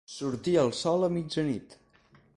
Sortir el sol a mitjanit.